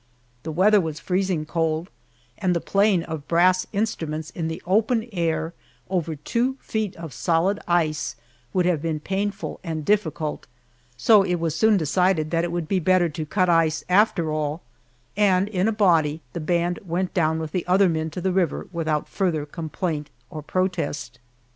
The weather was freezing cold, and the playing of brass instruments in the open air over two feet of solid ice, would have been painful and difficult, so it was soon decided that it would be better to cut ice, after all, and in a body the band went down with the other men to the river without further complaint or protest.